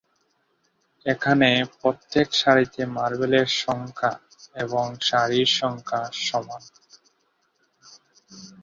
এখানে, প্রত্যেক সারিতে মার্বেলের সংখ্যা এবং সারির সংখ্যা সমান।